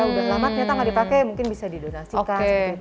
udah lama ternyata nggak dipakai mungkin bisa didonasikan